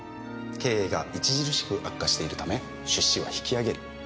経営が著しく悪化しているため出資は引き揚げる。